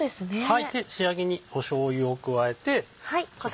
仕上げにしょうゆを加えて。